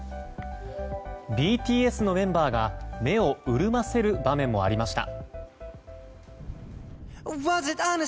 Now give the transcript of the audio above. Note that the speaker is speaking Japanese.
ＢＴＳのメンバーが目を潤ませる場面もありました。